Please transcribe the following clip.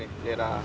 di daerah bekasi